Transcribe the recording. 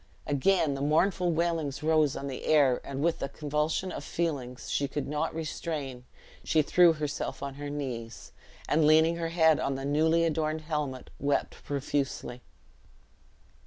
Again the mournful wailings rose on the air; and with a convulsion of feelings she could not restrain, she threw herself on her knees, and leaning her head on the newly adorned helmet, wept profusely.